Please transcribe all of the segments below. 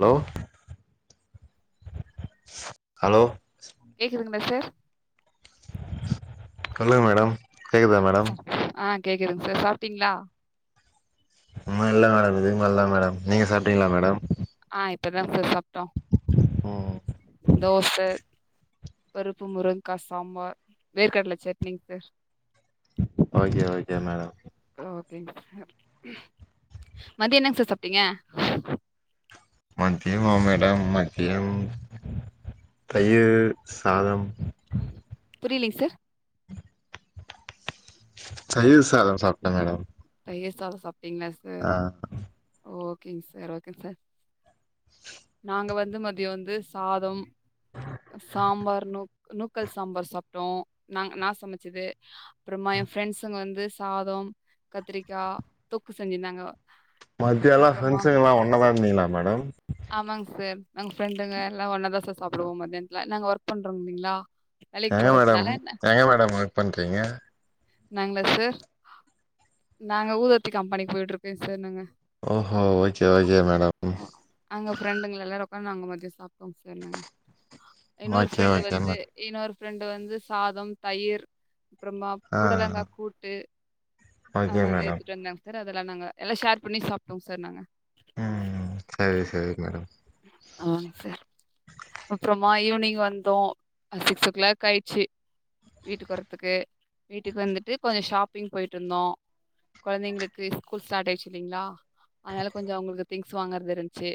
Hello hello கேக்குதுங்களா sir சொல்லுங்க madam கேக்குதா மேடம் ஆ கேக்குதுங் சார் சாப்டீங்ளா இன்னு இல்ல மேடம் இதுக் மேலதா மேடம் நீங்க சாப்டீங்ளா மேடம் ஆ இப்பதா சார் சாப்டோம் ம் தோச பருப்பு முருங்கா சாம்பார் வேர்க்கடல சட்னிங்க சார் ஓகே ஓகே மேடம் ஓகேங்க சார் மதியோ என்ன சார் சாப்ட்டீங்க மத்தியமா மேடம் மத்தியம் தயிர் சாதம் புரிலிங் சார் தயிர் சாதம் சாப்ட்ட மேடம் தயிரு சாதம் சாப்ட்டீங்ளா சார் ஆ ஓகேங் சார் ஓகே சார் நாங்க வந்து மதிய வந்து சாதம் சாம்பார் நூ நூக்கல் சாம்பார் சாப்ட்டோ நா நா சமச்சது அப்றமா எ ஃப்ரெண்ட்ஸுங்க வந்து சாதோம் கத்திரிக்கா தொக்கு செஞ்சிந்தாங்க மத்யானலா ஃப்ரெண்ட்ஸூங்கல்லா ஒன்னதாருந்தீங்களா மேடம் ஆமாங் சார் நாங்க ஃப்ரெண்டுங்க எல்லா ஒன்னா தா சார் சாப்டுவோ மத்யான்த்துல நாங்க ஒர்க் பண்றோ இல்லீங்களா எங்க மேடம் எங்க மேடம் ஒர்க் பண்றீங்க நாங்ளா சார் நாங்க ஊதவத்தி கம்பெனிக்கு போய்ட்டுருக்கே சார் நாங்க ஓஹோ ஓகே ஓகே மேடம் நாங்க ஃப்ரெண்டுங்க எல்லாரு உக்காந் நாங்க மதிய சாப்டுவோ சார் நாங்க இன்னொரு ஓகே ஃப்ரெண்டு ஓகே வந்து மேடம் இன்னொரு ஃப்ரெண்டு வந்து சாதம் தயிர் அப்றமா ஆ புடலங்கா கூட்டு ஆ ஓகே மேடம் எடுத்துட் வந்தாங்க சார் அதல்லா நாங்க எல்லா ஷேர் பண்ணி சாப்டுவோ சார் நாங்க ம் சரி சரி மேடம் ஆன் சார் அப்றமா ஈவ்னிங் வந்தோ சிக்ஸ் ஓ கிளாக் ஆயிச்சி வீட்டுக்கு வர்த்துக்கு வீட்டுக்கு வந்துட்டு கொஞ்ச ஷாப்பிங் போய்ட்டுருந்தோ கொழந்தைங்களுக்கு ஸ்கூல் ஸ்டாட் ஆயிச்சி இல்லிங்ளா அதனால கொஞ்சொ அவங்களுக் திங்ஸ் வாங்றது இருந்ச்சி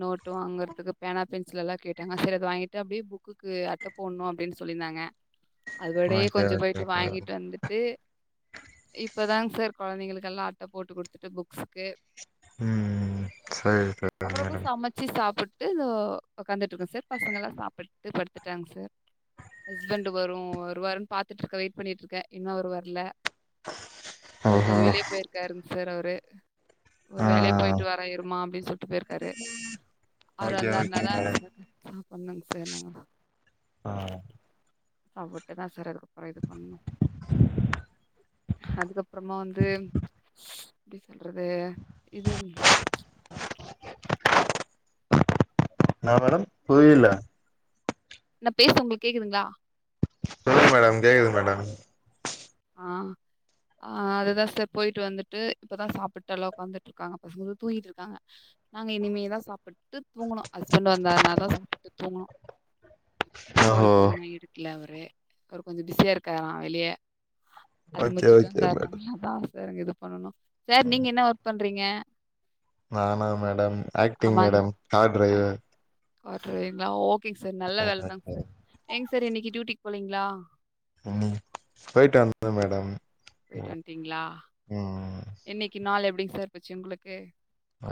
நோட்டும் வாங்குறதுக் பேனா பென்சில்லா கேட்டாங்க சரி அத வாங்கிட்டு அப்டியே புக்குக்கு அட்ட போட்ணு அப்டின் சொல்லிந்தாங்க [inaudible] அதோடயே ஓகே கொஞ்சொ ஓகே போயிட்டு மேடம் வாங்கிட்டு வந்துட்டு இப்பதாங் சார் கொழந்தைங்களுக்கல்லா அட்ட போட்டு குடுத்துட்டு புக்ஸ்க்கு ம் சரி அப்ருமா மேடம் சமச்சி சாப்புட்டு தோ ஒக்காந்துட்ருக்க சார் பசங்கல்லா சாப்டுட்டு படுத்துட்டாங்க சார் ஹஸ்பண்ட் வரும் வருவார்னு பாத்துட்டுருக்க வெயிட் பண்ணிட் இருக்க இன்னு அவரு வரல அவரு ஓஹோ கொஞ்ச வெளிய போயிருக்காருங் சார் அவரு ஒரு ஆ வேலையா போய்ட்டு வரே இருமா அப்டி சொல்ட்டு போயிர்க்காரு அவரு ஓகே ஓகே வந்தாருனாதா மேடம் சார் சாப்டனுங் சார் நா ஆ அவொட்ட தா சார் அதுக்கப்பற இது பண்ணு அதுக்கப்புறமா வந்து சு எப்டி சொல்றது இது [inaudible] என்னா மேடம் புரியல நா பேசுறது உங்களுக்கு கேக்குதுங்களா சொல்லுங்க மேடம் கேக்குது மேடம். ஆ ஆ அதுதா சார் போய்ட்டு வந்துட்டு இப்பதா சாப்ட்டுட்டு எல்லா ஒக்காந்துட்டு இருக்காங்க. பசங்க வந்து தூங்கிட்டு இருக்காங்க. நாங்க இனிமே தா சாப்புட்டு தூங்கணு. ஹஸ்பண்ட் வந்தாருனாதா சாப்ட்டுட்டு தூங்கணு. ஓஹோ கால் பண்ணே எடுக்கெல அவரு. அவரு கொஞ்சொ பிஸியா இருக்காரா வெளிய. அது ஓகே முடிச்சுட்டு ஓகே மேடம் வந்தார்ன்னா அதா சார் அங்க இது பண்ணணு. சார் நீங்க என்ன ஒர்க் பண்றீங்க? நானா madam acting madam car driver அப்டிங்களா ஓகேங்க சார். நல்ல வேலதாங் சார். ஏங்க சார் இன்னெக்கி டியூட்டிக்கு போலெங்களா ம் போயிட்டு வந்துட்டே மேடம். போயிட்டு வன்டீங்களா உம் இன்னெக்கி நாள் எப்பிடிங் சார் போச்சு உங்களுக்கு?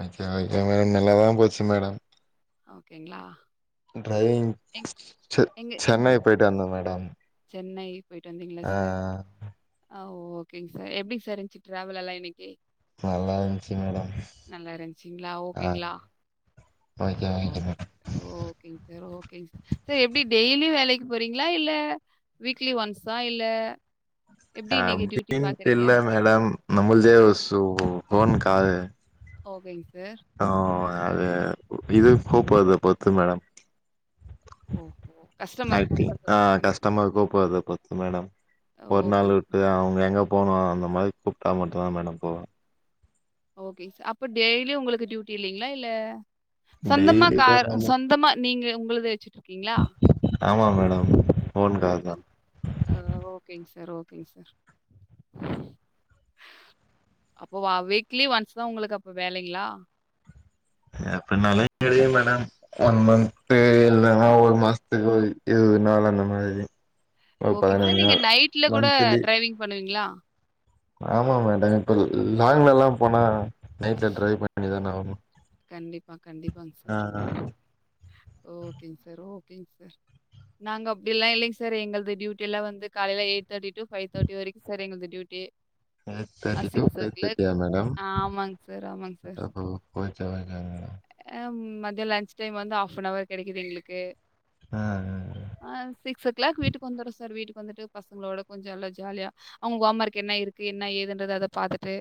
Okay okay madam. நல்லாதா போச்சு மேடம். ஓகேங்க்ளா ட்ரைவிங் செ எங்க எந் சென்னை போய்ட்டு வந்தே மேடம் சென்னை போய்ட்டு வந்தீங்ளா ஆ சார் ஆ ஓகேங் சார் எப்டி சார் இருன்ச் டிராவலல்லா இன்னைக் நல்லா இருன்ச்சு மேடம் நல்லா இருந்துச்சுங்களா ஆ ஓகேங்களா ஓகே ஓகே மேடம் ஓகேங்க சார் ஓகேங்க சார் சார் எப்டி டெய்லியூ வேலைக் போறீங்ளா இல்ல வீக்லி ஒன்ஸா இல்ல எப்படி நீங்க டியூட்டி அப்டின்ட்டு பாக்குறீங்க இல்ல மேடம் நம்மல்து ஆ ஒரு சு ஃபோன் கால் ஓகேங்க சார் ஆ அது இதுவு கூப்ட்ரத பொருத்து மேடம் ஓஹோ கஸ்டமர் ஆக்டிங் கூப்பிடுறது ஆ பார்த்தீங்களா? கஷ்டமர் கூப்ட்ரத பொருத்து மேடம் ஒரு நாள் ஓகேங்க உட்டு அவங்க எங்க போகனு அந்த மாரி கூப்ட்டா மட்டு தா மேடம் போவே. ஓகே சார் அப்ப டெய்லியு உங்களுக்கு டியூட்டி இல்லலெங்களா இல்ல சொந்தமா டெய்லி கா இதா மேடம் சொந்தமா நீங்க உங்களுது வெச்சிட்டு இருக்கீங்களா ஆமா மேடம். ஓன் கார் தா. ஆ ஓகேங் சார் ஓகேங் சார். அப்போ வ வீக்லி ஒன்ஸ் தா உங்களுக்கு அப்ப வேலெங்களா அப்பன்னாலே தெரியு மேடம் ஒன் ஆ மன்த் இல்லைன்னா ஒரு மாசத்துக்கு இது நாள் அந்த மாதிரி ஒரு ஓகே சார் பதினஞ்சு நீங்க நாள் நைட்ல கூட மந்த்லி டிரரைவிங் பண்ணுவீங்களா ஆமா மேடம் இப்ப லாங்லலாம் போனா நைட்ல டிரைவ் பண்ணிதானே ஆவணு கண்டிப்பா கண்டிப்பாங்க சார் ஓகேங்க சார் ஓகேங்க சார் உ நாங்க அப்டிலா இல்லைங்க சார் எங்கள்து டியூட்டலா வந்து காலைல எய்ட்தேட்டி டு ஃபைவ் தேட்டி வரைக்கும் சார் எங்கள்து டியூட்டியே எயிட்தேட்டி டு ஃபைவ்தேட்டியா மேடம் ஆமாங்க சார், ஆமாங்க மச்சா எங்க ஆ ம் மத்தியம் லன்ச் டைம் வந்து ஹாப் அன்வர் கெடைக்குது எங்களுக்கு ஆ ஆ சிக்ஸ் ஓ கிளாக் வீட்க்கு வந்துரும் சார் வீட்டுக்கு வந்துட்டு பசங்களோட கொஞ்சோ நல்லா ஜாலியா அவங் ஹோம் ஒர்க் என்ன இருக்கு என்ன ஏதுன்றது அத பாத்துட்டு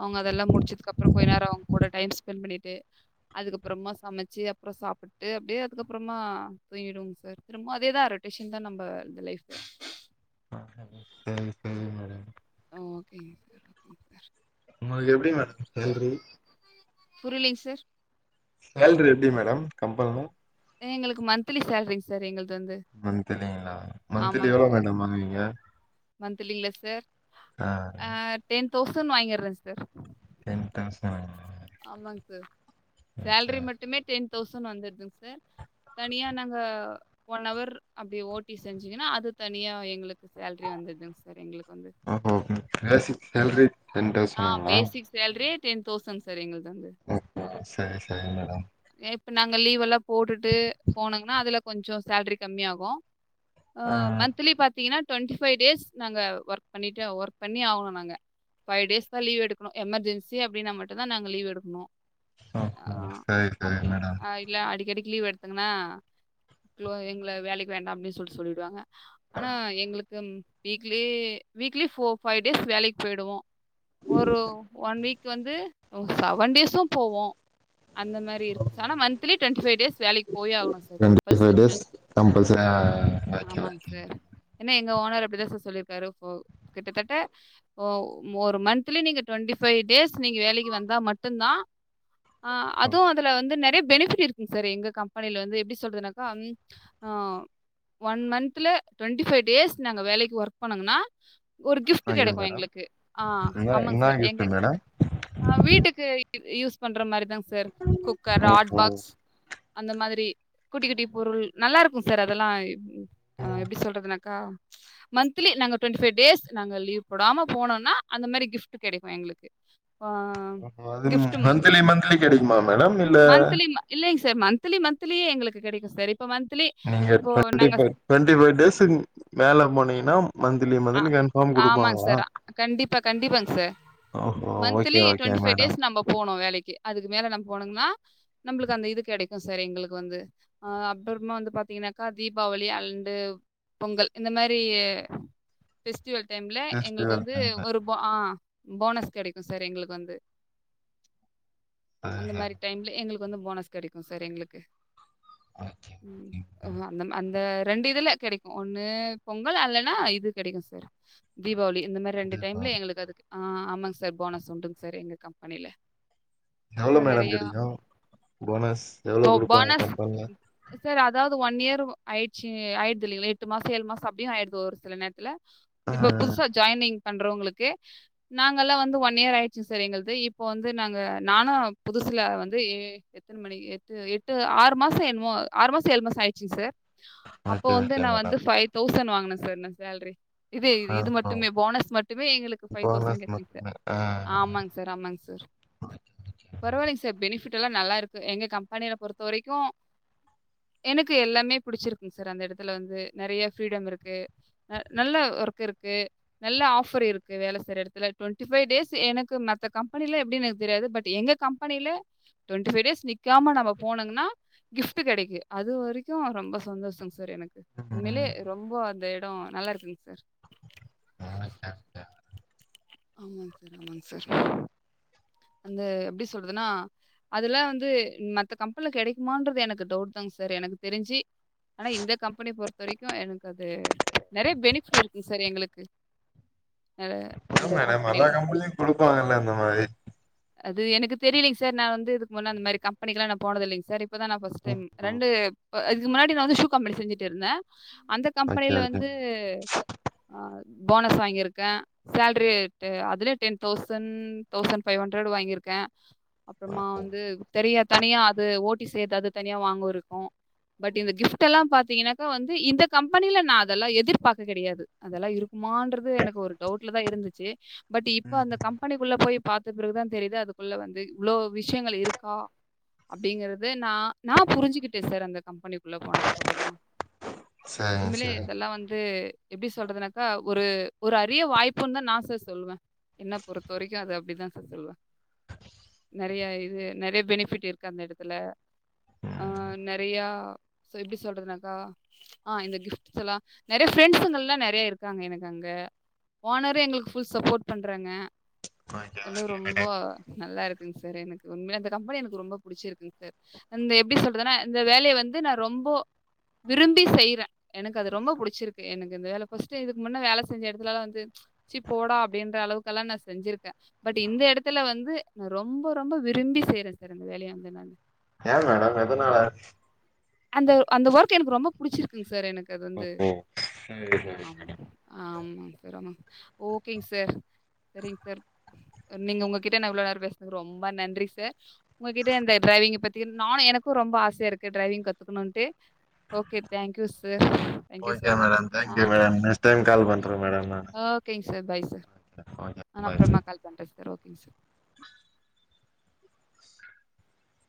அவங்க இதெல்லா முடிச்சதுக்கு அப்றோ கொய் நேரம் அவங்க கூட டைம் ஸ்பென் பண்ணிட்டு அதுக்கப்புறமா சமைச்சி அப்புற சாப்புட்டு அப்டியே அதுக்கப்றமா தூங்கிடுவோ சார் திரும்ப இதேதான் ரொட்டேஷன் தான் நம்ம இந்த லைஃப் ஆ சேரி சேரி ஆ ஓகே உங்களுக்கு எப்டி ம சேல்ரி புரிலிங் சர் சேல்ரி எப்டி மேடம் கம்பனொ எங்களுக்கு மந்த்லி சேல்ரி சார் எங்ள்து வந்து மன்திலிங்களா ஆமாங் தழி சார் மந்தலில சார் ஆ அ டென் தௌசண்ட் வாங்கிறேன் செர் டென்தௌசன் ஆமாங்க சர் ஓகே சேல்ரி மட்டுமே டென் தௌசண்ட் வந்துர்துங்க சர் தனியா நாங்க ஒன் வர் அப்டி ஓட்டி செஞ்சீங்கன்னா அது தனியா எங்களுக்கு சேல்ரி வந்துங்கசர் எங்களுக் ஓகோ பேசிக் சேல்ரி டென் தௌசண்ங்களா சேல்ரியே டென் தௌசண்ட் சர் எங்களுள்து வந்து ஓ ஓ சேர் சேரி மேடம் நேத்து நாங்க லீவ் எல்லாம் போட்டுட்டு போனோங்கன்னா அதுல கொஞ்சோ சேல்ரி கம்மி ஆகும் அ ஆ மந்த்லி பாத்தீங்கன்னா டுவெண்ட்டி ஃபைவ் டேஸ் நாங்க ஒர்க் பண்ணிட்டு ஒர்க் பண்ணி ஆகணோம் நாங்க பைவ் டேஸ் தான் லீவ் எடுக்கணும் எமர்ஜன்சி அப்டின்னா மட்டும்தான் நாங்க லீவ் எடுக்கணும் ஓ ஆ ஓ சேரி சேரி அப்படி மேடம் அ இல்ல அடிக்கடிக்கு லீவ் எடுத்தங்கன்னா எங்கள வேலைக்கு வேண்டாம் அப்டின் சொல்லி சொல்லிடுவாங்க ஆனா எங்களுக்கு weekly weekly four five days வேலைக்கு போயிடுவோம் ஒரு ஒன் வீக் வந்து செவன் டேஸும் போவோம் அந்த மாரி இருந்ச் சா ஆனா மந்த்லி டுவெண்ட்டி ஃபைவ் டேஸ் வேலைக்கு போயே ஆகணும் sir. Twenty five compulsory days நாங்க. கம்பல்சரி ஆமாங்க [unintelligible] சார். ஏன்னா எங்க ஓனர் அப்டிதா சர் சொல்லியிருக்காரு கிட்டத்தட்ட ஓ ம் ஒரு மந்த்லி நீங்க டுவெண்டி ஃபைவ் டேஸ் நீங்க வேலைக் கி வந்தா மட்டும்தான் ஆ அதுவும் அதுல வந்து நெறைய பெனிஃபிட் இருக் சரி எங்க கம்பெனில வந்து எப்டி சொல்றனாக்கா அம் ஆ ஒன் மந்த்ல ட்வெண்ட்டி ஃபைவ் டேஸ் நாங்க வேலைக்கு ஒர்க் பண்ணுங்கனா ஒரு கிஃப்ட் ஓகே கெடைக்கும் மேடம் எங்களுக்கு ஆ என்ன ஆமாங்க என்ன சார் எங்க கிஃப்ட் மேடம் ஆ வீட்டுக்கு யூஸ் பண்ற மாதிரி தாங் சர் குக்கர் ஹாட் பாக்ஸ் ஓஹோ அந்த மாதிரி குட்டி குட்டி பொருள் நல்லா இருக்கும் சர் அதெல்லாம் அ எப்டி சொல்றதுனாக்கா மந்த்லி நாங்க டுவெண்டி ஃபைவ் டேஸ் நாங்க லீவ் போடாம போனோம்னா அந்த மாரி கிஃப்ட் கெடைக்கும் எங்கள்க்கு ஆ அது மந்த்லி மந்த்லி கெடைக்குமா மேடம் இல்ல இல்லைங் சார் மன்த்லி மன்த்லியே எங்களுக்கு கெடைக்கு சார் இப்ப மன்த்லி நீங்க ட்வெண்டி ஃபை ட்வெண்டி ஃபை டேஸுக்கு மேல போனீங்கன்னா மந்த்லி ஆ மந்த்லி கன்ஃபார்ம் ஆமாங் குடுப்பாங்களா சார் கண்டிப்பா கண்டிப்பாங் சார் ஓஹோ okay monthly okay twenty five madam days நம்ப போனு வேலைக்கி அதுக்கு மேல நம்ம போனுங்ன்னா நம்ளுக்கு அந்த இது கெடைக்கு சார் எங்ளுக்கு வந்து ஆ அப்றமா வந்து பாத்தீங்கன்னாக்கா தீபாவளி அன்டு பொங்கல் இந்த மாரி ஃபெஸ்டிவல் டைம்ல எங்ளுக்கு ஃபெஸ்டிவல் வந்து டைம்ல ஒரு போ ஆ போனஸ் கெடைக்கு சார் எங்ளுக்கு வந்து சரி அந்த சரி மாரி டைம்ல எங்களுக்கு வந்து போனஸ் கெடைக்கு சார் எங்களுக்கு ஓகே ம் ஓகே. ஓ ஹு அந்த அந்த ரெண்டு இதுல கெடைக்கு ஒண்ணு பொங்கல் அல்லன்னா இது கெடைக்கு சார் தீபாவளி இந்த மாரி ரெண்டு டைம்ல தீபாவளி எங்களுக்கு அதுக்கு ஆ ஆமாங் சார் போனஸ் உண்டுங் சார் எங்க கம்பெனில எவ்ளோ அப்புறம் மேடம் நெறையா கெடைக்கு போனஸ் எவ்ளோ போ குடுப்பாங்க போனஸ் கம்பென்ல சார் அதாவ்து ஒன் இயர் ஆய்ச்சு ஆய்டுது இல்லைங்ள எட்டு மாசொ ஏழு மாசொ அப்டியு ஆய்டுது ஒரு சில நேரத்துல இப்ப ம் புதுசா ஜாய்னிங் பண்றோங்களுக்கு நாங்கல்லாம் வந்து ஒன் இயர் ஆய்ச்சு சார் எங்கள்து இப்ப வந்து நாங்க நானு புதுசுல வந்து ஏ எத்தன மணி எட்டு எட்டு ஆறு மாசொ என்மோ ஆறு மாசொ ஏழு மாசொ ஆய்ச்சுங் சார் அப்போ ஓகே வந்து ஓகே நா வந்து மேடம் ஃபை தௌசண்ட் வாங்னே சார் நா சேல்ரி இது இது ஆ இது ஆ மட்டுமே போனஸ் மட்டுமே எங்களுக்கு ஃபை தௌசண்ட் போனஸ் கெச்சிங் சார் மட்டுமே ஆ ஆமாங் சார் ஆமாங் சார் ஓகே ஓகே பரவால்லைங் சார் பெனிஃபிட்டெல்லா நல்லாருக்கு எங்க கம்பெனில பொறுத்த வரைக்கு எனக்கு எல்லாமே புடிச்சிருக்குங் சார் அந்த எடத்துல வந்து நறைய ஃப்ரீடம் இருக்கு ந நல்ல ஒர்க் இருக்கு நல்ல ஆஃபர் இருக்கு வேல செய்ற எடத்துல ட்வெண்டி ஃபை டேஸ் எனக்கு மத்த கம்பெனில எப்டின் எனக்கு தெரியாது பட் எங்க கம்பெனில ட்வெண்டி ஃபை டேஸ் நிக்காம நம்ம போனங்னா கிஃப்ட்டு கெடைக்கு அது வரைக்கு ரொம்ப சந்தோஷோங் சார் எனக்கு உண்மைலே ம் ரொம்போ அந்த எடோ நல்லாருக்குங் சார் ஆ [inaudible] ஆமாங் சார் ஆமாங் சார் அந்த எப்டி சொல்றதுன்னா அதெல்லா வந்து மத்த கம்பென்ல கெடைக்குமான்றது எனக்கு டவுட் தாங் சார் எனக்கு தெரிஞ்சு ஆனா இந்த கம்பெனி பொறுத்த வரைக்கு எனக்கு அது நறைய பெனிஃபிட்ஸ் இருக்குங் சார் எங்களுக்கு நறைய என்னா மேடம் எல்லா கம்பென்லயு குடுப்பாங்கல்ல அந்த மாரி அது எனக்கு தெரிலிங் சார் நா வந்து இதுக்கு முன்ன அந்த மாரி கம்பெனிக்லா நா போனதில்லைங் சார் இப்பதா நா ஃபர்ஸ்ட் டைம் ரெண்டு ப இதுக்கு முன்னாடி நா வந்து ஷூ கம்பெனி செஞ்சிட்ருந்தே அந்த ஓகே கம்பெனில ஓகே வந்து ஆ போனஸ் வாங்கியிருக்கே சேல்ரி டெ அதுல ten thousand thousand five hundred வாங்கிருக்கே அப்றமா ஓகே. வந்து தெரியா தனியா அது ஓடி சேத்து அது தனியா வாங்கருக்கு பட் இந்த கிஃப்ட்டெல்லா பாத்தீங்னாக்கா வந்து இந்த கம்பெனில நா அதெல்லா எதிர்பாக்க கெடயாது அதெல்லா இருக்குமான்றது எனக்கு ஒரு டவுட்ல தா இருந்துச்சு பட் இப்ப ம். அந்த கம்பெனிக்குள்ள போய் பாத்த பிறகுதா தெரிது அதுக்குள்ள வந்து இவ்ளோ விஷ்யங்கள் இருக்கா அப்டிங்கறது நா நா புரிஞ்சுகிட்டே சார் அந்த கம்பெனிக்குள்ள போனதுக்கப்பறமா சரிங்க, உண்மைலே சரிங்க. இதெல்லா வந்து எப்படி சொல்றதுனாக்கா ஒரு ஒரு அரிய வாய்ப்புன்னு தா நா சார் சொல்லுவே என்ன பொறுத்த வரைக்கும் அது அப்டிதான் சார் சொல்லுவே [unintelligible] ட்ரை ஆயிருது நெறைய பெனிஃபிட் இருக்கு அந்த இடத்துல ஆ ம். நெட் பேயா அது எப்டி சொல்றதுனாக்கா ஆ இந்த கிஃப்ட்ஸ் எல்லா நெறைய ஃப்ரெண்ட்ஸ்ங்கலா நெறைய இருக்காங்க எனக்கு அங்க ஓனரே எங்களுக்கு ஃபுல் சப்போர்ட் பண்றாங்க ஓகே, இந்தெடோ ஓகே ரொம்ப மேடம். நல்லா இருக்குங் சார் எனக்கு உண்மையில அந்த கம்பெனி எனக்கு ரொம்ப பிடிச்சிருக்குங் சார் இந்த எப்டி சொல்றதுன்னா இந்த வேலைய வந்து நான் ரொம்போ விரும்பி செய்யறே எனக்கு அது ரொம்ப புடிச்சிருக்கு எனக்கு இந்த வேலை ஃபர்ஸ்ட் இதுக்கு முன்ன வேலை செஞ்ச இடத்லலா வந்து சி போடா அப்டின்ற அளவுக்கெல்லா நா செஞ்சிருக்கே பட் இந்த இடத்தல வந்து நா ரொம்ப ரொம்ப விரும்பி செய்யறே சார் அந்த வேலைய வந்து நா ஏ மேடம் எதுனால அந்த அந்த ஒர்க் எனக்கு ரொம்ப பிடிச்சிருக்குங் சார் எனக்கு அது வந்து. ஒ ஓ சரி மேடம் சரி ஆமாங்கிறமா ஓகேங் சார் சரிங் சார் நீங்க உங்ககிட்ட நா இவ்ளோ நேரோ பேசுனதுக்கு ரொம்ப நன்றி சார் உங்ககிட்ட இந்த டிரைவிங்க பத்தி நானு எனக்கு ரொம்ப ஆசையா இருக்கு டிரைவிங் கத் துக்குணுன்ட்டு okay thank you sir thank you so okay much. Madam ஆ thank you madam next time call பண்றே மேடம் நானு ஓகேங் சார் பை சார் ஓகே. நா பாய். அப்றமா கால் பண்ணுறே சார் ஓகே சார்